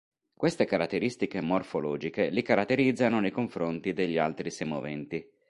Queste caratteristiche morfologiche li caratterizzano nei confronti degli altri semoventi.